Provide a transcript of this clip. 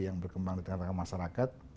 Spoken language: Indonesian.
yang berkembang di tengah tengah masyarakat